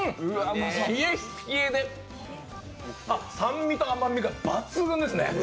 冷えっ冷えであっ、酸味と甘みが抜群ですね。